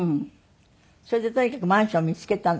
それでとにかくマンションを見つけたの？